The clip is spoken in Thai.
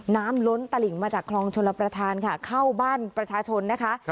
ล้นตลิ่งมาจากคลองชลประธานค่ะเข้าบ้านประชาชนนะคะ